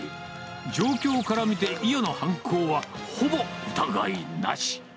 状況から見て、イヨの犯行は、ほぼ疑いなし。